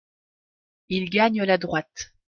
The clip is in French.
Il gagne la droite.